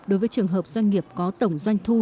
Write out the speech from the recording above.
đối với trường hợp doanh nghiệp có tổng doanh thu